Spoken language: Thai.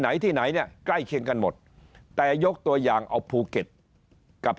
ไหนที่ไหนเนี่ยใกล้เคียงกันหมดแต่ยกตัวอย่างเอาภูเก็ตกับ